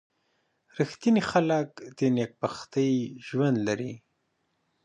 • رښتیني خلک د نېکبختۍ ژوند لري.